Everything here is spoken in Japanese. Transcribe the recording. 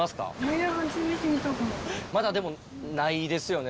まだないですよね